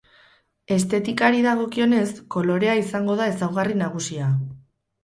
Estetikari dagokionez, kolorea izango da ezaugarri nagusia.